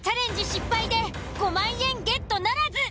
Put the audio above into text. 失敗で５万円ゲットならず。